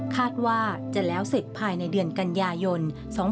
คาดว่าจะแล้วเสร็จภายในเดือนกันยายน๒๕๖๒